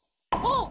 あっ。